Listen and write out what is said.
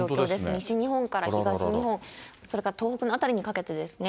西日本から東日本、それから東北の辺りにかけてですね。